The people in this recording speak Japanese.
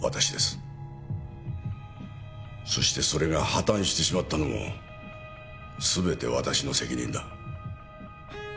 そしてそれが破綻してしまったのも全て私の責任だ。